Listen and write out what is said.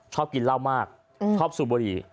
ชอบกินเหล้ามากชอบสูบบุหรี่